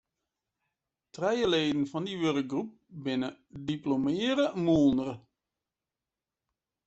Trije leden fan dy wurkgroep binne diplomearre moolner.